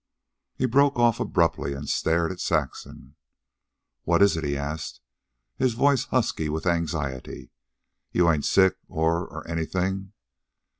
He broke off abruptly and stared at Saxon. "What is it?" he asked, his voice husky with anxiety. "You ain't sick... or... or anything?"